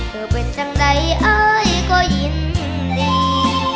เธอเป็นจังใดอายก็ยินดี